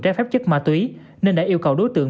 trái phép chất ma túy nên đã yêu cầu đối tượng